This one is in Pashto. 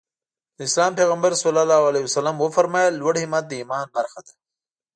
د اسلام پيغمبر ص وفرمايل لوړ همت د ايمان برخه ده.